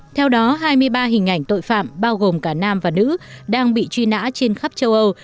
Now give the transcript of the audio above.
theo đó hai mươi ba hình ảnh tội phạm bao gồm cả nam và nữ đang bị truy nã trên khắp châu âu